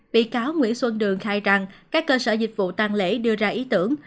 bị cáo nguyễn xuân đường khai rằng các cơ sở dịch vụ tăng lễ đưa ra ý tưởng